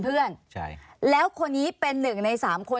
ปีอาทิตย์ห้ามีสปีอาทิตย์ห้ามีส